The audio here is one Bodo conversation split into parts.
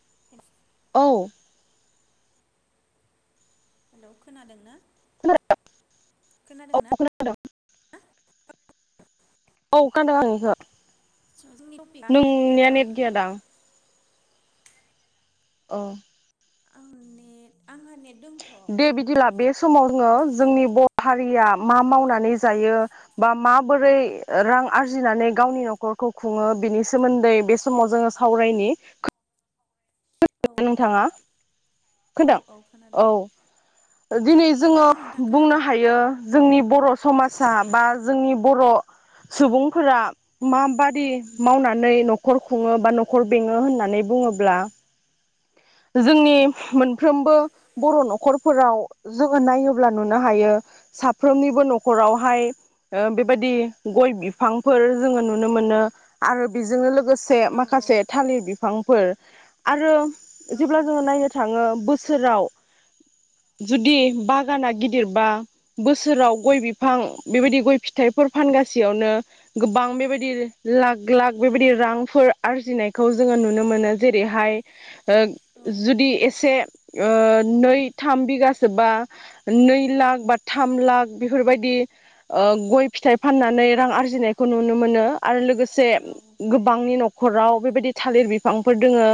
[inaudible] औ हेलौ खोनादों औ खोनादोंना औ खोन्दों नोङिखो [unintelligible] अह आंङो नेट आंहा नेट दंथ' औ दे बिदिब्ला बे समाव जोङो जोंनि बर‌ हारिया मा मावनानै जायो बा माबोरै रां आरजिनानै गावनि नखरखौ खुङो बिनि सोमोन्दै बे समाव जोङो सावरायनि खोनादोंना औ नोंथाङा औ खोन्दों औ खोनादों औ दिनै जोङो खोनादों नोंथां बुंनो खोनादों हायो जोंनि बर समाजा बा जोंनि बर सुबुंफोरा माबादि मावनानै नखर खुङो बा नखर बेङो होननानै बुङोब्ला जोंनि मोनफ्रोमबो बर नखरफोराव जोङो नायोब्ला नुनो हायो साफ्रोमनिबो नखरावहाय ओ बेबायदि गय बिफांफोर जोङो नुनो मोनो आरो बेजोंनो लोगोसे से औ औ माखासे थालिर बिफ बिफांफोर आरो औ जेब्ला जोङो नायनो थाङो बो बोसोराव जुदि बागाना गिदिरबा बोसोराव गय बिफां बेबायदि गय फिथाइफोर फानगासेयावनो गोबां बेबायदि लाख लाख बेबायदि रांफोर आरजिनायखौ जोङो नुनो मोनो जेरै जेरैहाय ओ औ जुदि एसे ओ नै थाम बिगासोबा नै लाख बा थाम लाख बेफोरबायदि ओ गय फिथाइ फाननानै रां आरजिनायखौ नुनो मोनो आरो लोगोसे औ गोबांनि नखर खराव बेबायदि थालिर बिफांफोर दोङो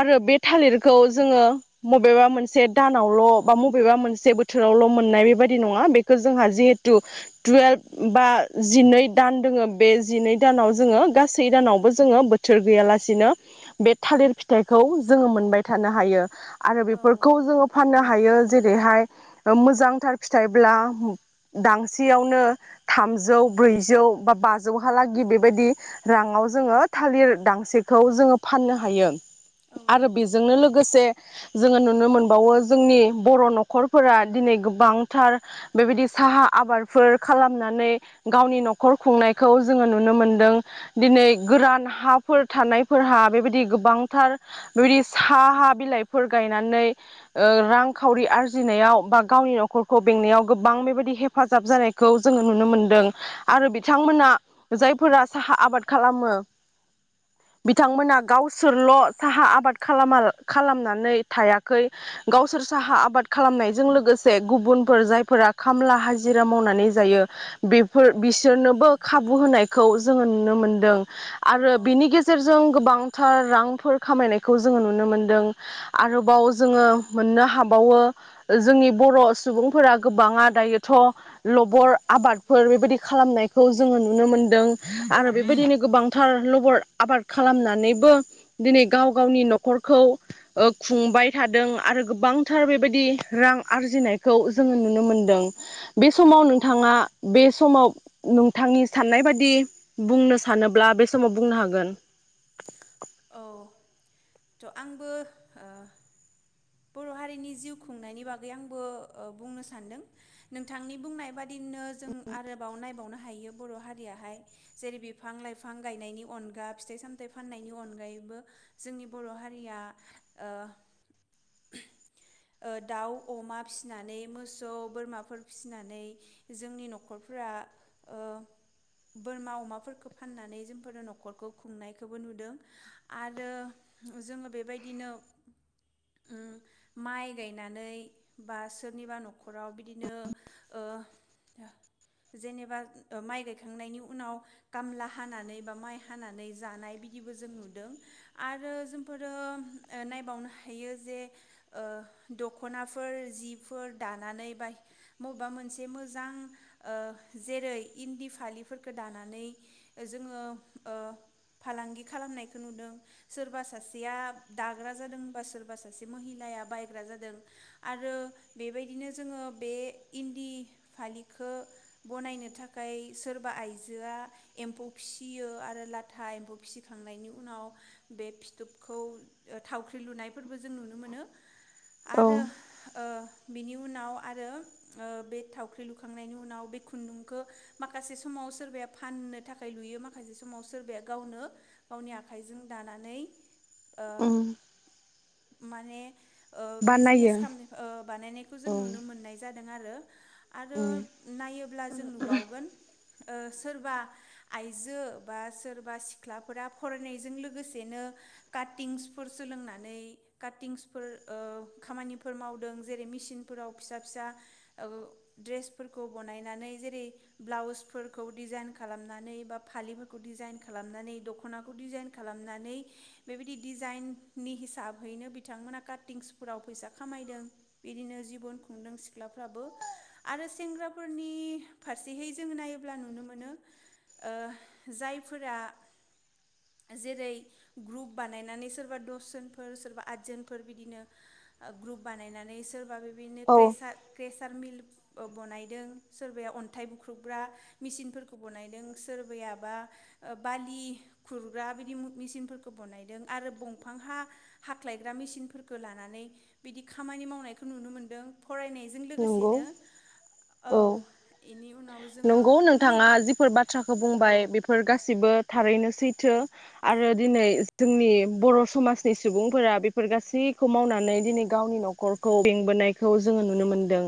आरो बे थालिरखौ जोङो बबेबा मोनसे दानावलबा बबेबा मोनसे बोथोरावल मोननाय बेबायदि नङा बेखौ जोंहा जिहेथु टुवेल्भ बा जिनै दान दोङो बे जिनै दानाव जोङो गासै दानावबो जोङो बोथोर गैयालासेनो बे थालिर फिथाइखौ जोङो मोनबाय थानो हायो आरो औ बेफोरखौ जोङो फाननो नंगौ हायो नंगौ जेरैहाय ओ मोजांथार फिथाइब्ला दांसेयावनो थामजौ ब्रैजौ बा बाजौहालागि बेबायदि राङाव जोङो थालिर दांसेखौ जोङो फाननो हायो औ आरो नंगौ बेजोंनो लोगोसे जोङो नुनो मोनबावो जोंनि बर नखरफोरा दिनै गोबांथार बेबायदि साहा आबादफोर खालामनानै गावनि नखर खुंनायखौ जोङो नुनो मोनदों दिनै गोरान हाफोर थानायफोरहा बेबायदि गोबांथार बेबायदि साहा बिलाइफोर गायनानै रांखावरि ओ आरजिनायाव बा गावनि नखरखौ बेंनायाव गोबां बेबायदि हेफाजाब जानायखौ जोङो नुनो मोनदों आरो बिथांमोना जायफोरा साहा आबाद खालामो बिथांमोना गावसोरल साहा आबाद खालाम खालामनानै थायाखै गावसोर साहा आबाद खालामनायजों लोगोसे गुबुनफोर जायफोरा खामला हाजिरा मावनानै जायो बेफोर बिसोरनोबो खाबु होनायखौ जोङो नुनो मोनदों औ आरो औ बिनि गेजेरजों नंगौ गोबां रांफोर खामायनायखौ जोङो नुनो मोनदों आरोबाव जोङो मोननो हाबावो जोंनि बर सुबुंफोरा गोबाङा दायोथ लबर आबादफोर बेबायदि खालामनायखौ जोङो नुनो मोनदों औ आरो बेबायदिनो गोबांथार लबर आबाद खालामनानै बो दिनै गाव गावनि नखरखौ ओ खुंबाय थादों आरो गोबांथार बेबायदि रां आरजिनायखौ जोङो नुनो मोनदों बे औ समाव नोंथाङा बे समाव नोंथांनि साननाय बादि बुंनो सानोब्ला बे समाव बुंनो हागोन औ थ आंबो ओ बर हारिनि जिउ खुंनायनि बागै आंबो ओ बुंनो सान्दों नोंथांनि बुंनाय बादि नो जों आरोबाव नायबावनो हा हायो बर हारियाहाय जेरै बिफां लाइफां गायनायनि अनगा फिथाइ सामथाइ फाननायनि अनगा अनगायैबो जोंनि बर हारिया ओ ओ दाउ अमा फिसिनानै मोसौ बोरमाफोर फिसिनानै जोंनि नखरफोरा ओ बोरमा अमाफोरखौ फाननानै जोंफोरो नखरखौ खुंनायखौबो नुदों आरो जोंङो बेबायदिनो उम माइ गायनानै बा सोरनिबा नखराव बिदिनो ओ जेनेबा माइ गायखांनायनि उनाव खामला हानानै बा माइ हानानै जानाय बिदि जों नुदों आरो जोंफोरो ओ नायबावनो हायो जे ओ दखनाफोर जिफोर दानानै बा बबेबा मोनसे मोजां ओ जेरै इन्दि फालिफोरखौ दानानै जोंङो ओ फालांगि खालामनायखौ नुदों सोरबा सासेया दाग्रा जादों बा सोरबा सासे महिलाया बायग्रा जादों आरो बेबायदिनो जोंङो बे इन्दि फालिखौ बनायनो थाखाय सोरबा आइजोआ एम्फौ फिसियो आरो लाथा एम्फौ फिसि फिसिखांनायनि उनाव बे फिथोबखौ थावख्रि लुनायफोरबो जों नुनो मोनो औ आरो ओ बिनि उनाव आरो ओ बे थावख्रि लुखांनायनि उनाव बे खुन्दुंखौ माखासे समाव सोरबाया फाननो थाखाय लुयो माखासे समाव सोरबाया गावनो गावनि आखाइजों दानानै ओ उम माने ओ बानायो बिजनेस खामनो ओ बानायनायखौ जों औ नुनो मोन्नाय जादों आरो आरो उम नायोब्ला जों नुबावगोन ओ सोरबा आइजो बा सोरबा सिख्ला फोरा फरायनायजों लोगोसेनो काटिंसफोर सोलोंनानै। काटिंसफोर ओ खामानिफोर मावदों जेरै मेसिनफोराव ओ फिसा फिसा ड्रेसफोरखौ बनायनानै जेरै ब्लाउसफोरखौ डिजाइन खालामनानै बा फालिफोरखौ डिजाइन खालामनानै द' दखनाखौ डिजाइन खालामनानै बेबायदि डिजाइननि हिसाबहैनो बिथांमोना काटिंसफोराव फैसा खामायदों। बिदिनो जिबन खुंदों सिख्लाफ्राबो आरो सेंग्राफोरनि फारसेहै जोंङो नायोब्ला नुनो मोनो। ओ जायफोरा जेरै ग्रुप बानायनानै सोरबा दसजोनफोर सोरबा आदजोनफोर बिदिनो ग्रुप बानायनानै सोरबा बे बिनो औ क्रेसार क्रेसार मिल ओ बनायदों सोरबाया अन्थाइ बुख्रुबग्रा मेचिनफोरखौ बनायदों सोरबायाबा ओ बालि खुरग्रा बिदि मु मेचिनफोरखौ बनायदों आरो ब़फां हा हाख्लायग्रा मेसिनफोरखो लानानै बिदि खामानि मावनायखो नुनो मोनदों। फरायनायजों नंगौ लोगोसेनो औ इनि उनाव जोंङो नंगौ माने नोंथाङा जिफोर बाथ्राखौ औ बुंबाय बेफोर गासिबो थारैनो सैथो आरो दिनै जोंनि बर' समाजनि सुबुंफोरा बेफोर गासैखौ मावनानै दिनै गावनि न'खरखौ बेंबोनायखौ जोंङो नुनो मो दों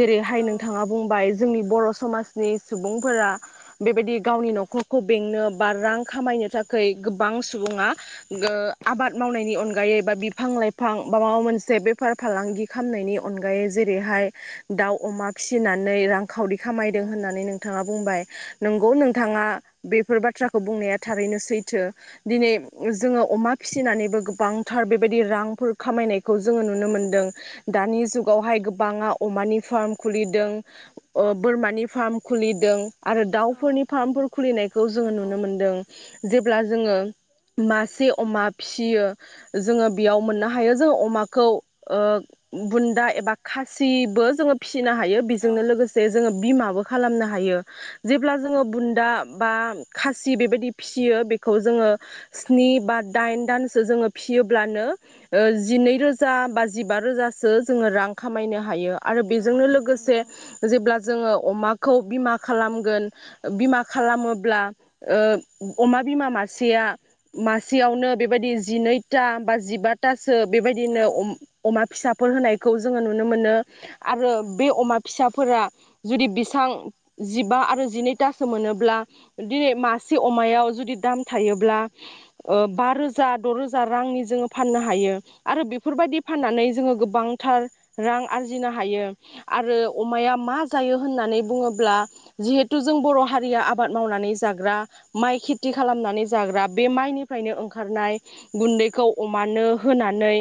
जेरैहाय औ नोंथाङा बुंबाय जोंनि बर' समाजनि सुबुंफोरा बेबायदि गावनि न'खरखौ बेंनो बा रां खामायनो थाखै गोबां सुबुङा गो आबाद मावनायनि अनगायै बा बिफां लाइफां बा माबा मोनसे बेफार फालांगि खामनायनि अनगायै जे रैहाय दाउ अमा फिसिनानै रां खावरि औ खामायदों होननानै नोंथाङा बुंबाय। नंगौ नोंथाङा बेफोर बाथ्राखौ बुंनाया थारैनो सैथो दिनै जोंङो अमा फिसिनानैबो गोबांथार बेबायदि रांफोर खामायनायखौ जोंङो नुनो मोनदों। दानि जुगावहाय गो बांङा अमानि फार्म खुलिदों बोरमानि फार्म खुलिदों। आरो औ दाउफोरनि फार्मफोर खुलिनायखौ जोंङो नंगौ नुनो मोनदों। जेब्ला जोंङो मासे अमा फिसियो जोंङो बेयाव मोननो हायो। जों अमाखौ ओ बुन्दा एबा खासिबो जोंङो फि सिनो हायो औ बेजोंनो लोगोसे जोंङो बिमा बो खालामनो हायो जेब्ला जोङो बुन्दा बा खासि बेबादि फिसियो बेखौ जोंङो स्नि बा दाइन दानसो जोंङो फिसियोब्लानो ओ जिनै रोजा बा जिबा रोजासो जोंङो रां खामायनो हायो। आरो औ बेजोंनो लोगोसे नंगौ जेब्ला जोङो अमाखौ बिमा खालामगोन बिमा खालामोब्ला ओ अमा बिमा मासेया मासेयावनो बेबायदि जिनै ता बा जिबा ता सो बेबायदिनो औ अम अमा फिसा फोर होनायखौ जोङो नुनो मोनो आरो बे अमा फिसाफोरा जुदि बेसां जिबा आरो जिनैतासो मोनोब्ला दिनै मासे अमायाव जुदि दाम थायोब्ला बा रोजा द'रोजा रांनि जोङो फाननो हायो आरो बेफोरबायदि फाननानै जोङो गोबां थार रां आरजिनो हायो आरो अमाया मा जायो होननानै बुङोब्ला जिहेथु जों बर' हारिया आबाद मावनानै जाग्रा माइ खेथि खालामनानै जाग्रा बे माइनिफ्रायनो ओंखारनाय गुन्दैखौ अमानो होनानै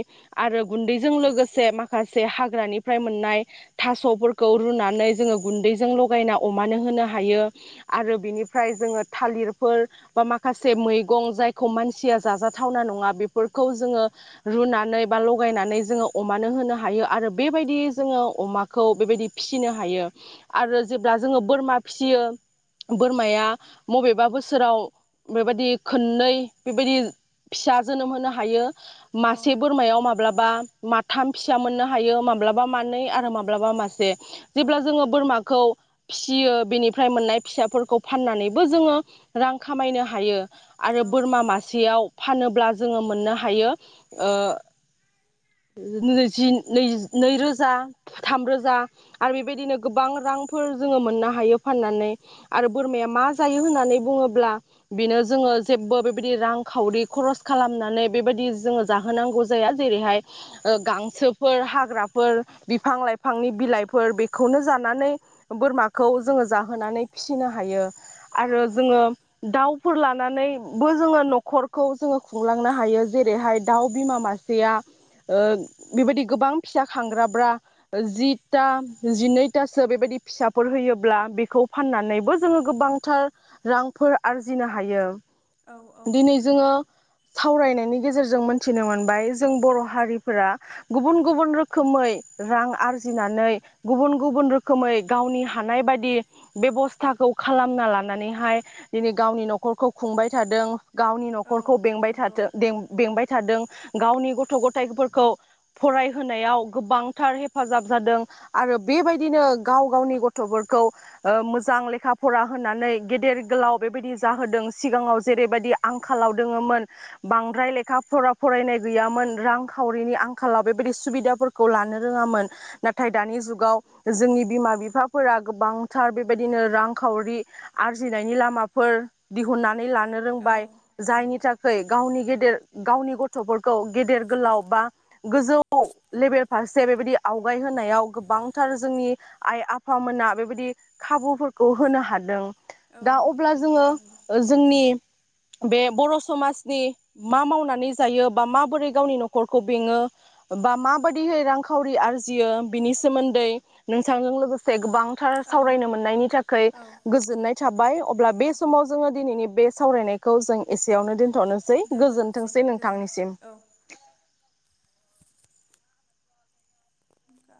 आरो गुन्दैजों लोगोसे मा खासे हाग्रानिफ्राय मोननाय थास'फोरखौ रुनानै जोङो गुन्दैजों लगायना अमानो होनो हायो आरो बेनिफ्राय जोङो थालिरफोर बा माखासे मैगं जायखौ मानसिया जाजाथावना नङा बेफोरखौ जोङो रुनानै बा लगायनानै जोङो अमानो होनो हा यो आरो बेबायदि जोङो अमाखौ बेबायदि फिसिनो हायो आरो जेब्ला जोङो बोरमा फिसियो बोरमाया मबेबा बोसोराव बेबायदि खननै बेबायदि फिसा जोनोम होनो हायो। औ मासे बोरमायाव माब्लाबा माथाम फि सा मोननो हायो मा ब्लाबा मानै आरो माब्लाबा मासे। औ जेब्ला जोङो बोरमाखौ फिसियो बेनिफ्राय मोननाय फिसाफोरखौ फाननानैबो जोङो रां खामायनो हायो। आरो औ बोरमा मासेयाव फानोब्ला जोङो मोननो हायो ओ [unintelligible] जि नै नैरोजा थामरोजा आरो बेबायदिनो गोबां रांफोर जोङो मोननो हायो फाननानै। आरो नंगौ बोरमाया मा जायो होननानै बुङोब्ला बिनो जोङो जेबो बेबादि रां खावरि खरसे खालामनानै बेबादि जोङो जाहोनांगौ जायो जेरैहाय ओ गां सोफोर हाग्राफोर बिफां लाइफांनि बिलाइफोर बेखौनो जानानै बोरमाखौ जोङो जाहोनानै फिसिनो हायो। औ आरो नंगौ जोङो दाउ फोर लानानैबो जोङो न'खरखौ जोङो खुंलांनो हायो जेरैहाय दाउ बिमा मासेया ओ बेबायदि गोबां फिसा खांग्राब्रा जिथा जिनैथासो बेबायदि फिसाफोर होयोब्ला बेखौ फाननानैबो जोङो गोबांथार रांफोर आरजिनो हायो। औ औ दिनै जोङो सावरायनायनि। गेजेरजों मोनथिनो मोनबाय जों बर' हारिफोरा गुबुन गुबुन रोखोमै रां आरजिनानै गुबुन गुबुन रोखोमै गावनि हानाय बायदि बेब'स्थाखौ खालामना लानानैहाय दिनै गावनि न'खरखौ खुंबाय थादों। गावनि औ न'खरखौ बेंबाय नंगौ थाथो बें बेंबाय थादों। गावनि गथ' गथाइफोरखौ फरायहोनायाव गोबांथार हेफाजाब जादों आरो बेबायदिनो गाव गावनि गथ'फोरखौ ओ मोजां लेखा फरा होनानै गेदेर गोलाव बेबायदि जाहोदों सिगाङाव जेरैबायदि आंखालाव दोङोमोन बांद्राय लेखा फरा फरायनाय गैयामोन रांखावरिनि आं खालाव बेबायदि सुबिदाफोरखौ लानो रोङामोन नाथाय दानि जुगाव जोंनि बिमा बिफाफोरा गोबांथार बेबायदिनो रांखावरि आरजिनायनि लामाफोर दिहुननानै लान औ रोंबाय जायनि नंगौ थाखाय गावनि गेदेर गावनि गथ'फोरखौ गेदेर गोलाव बा गोजौ लेबेल फारसे बेबायदि आवगाय होनायाव गोबांथार जोंनि आइ आफामोना बेबायदि खाबुफोरखौ होनो हादों। औ दा अब्ला जोङो नंगौ नंगौ जोंनि बे बर' समाजनि मा मावनानै जायो बा माबोरै गावनि न'खरखौ बेङो बा माबायदिहै रांखावरि आरजियो बिनि सोमोन्दै नोंथांजों लोगोसे गोबां थार औ सावरायनो मोननायनि थाखाय औ गोजोननाय थाबाय अब्ला बे समाव जोङो दिनैनि बे सावरायनायखौ जों एसेयावनो दोन थनोसै दोनथ'नोसै गोजोनथोंसै नोंथांनिसिम। गोजोन्थों अखा